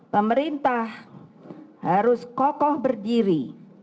pemerintah harus kokoh berdiri